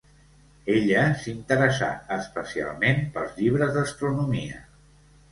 Ella s'interessà especialment pels llibres d'astronomia.